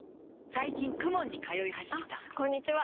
最近 ＫＵＭＯＮ に通い始めたあこんにちは！